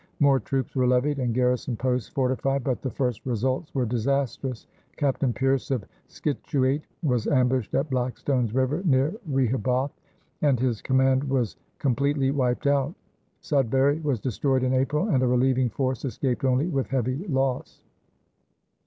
More troops were levied and garrison posts fortified, but the first results were disastrous. Captain Pierce of Scituate was ambushed at Blackstone's River near Rehoboth, and his command was completely wiped out. Sudbury was destroyed in April, and a relieving force escaped only with heavy loss.